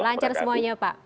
lancar semuanya pak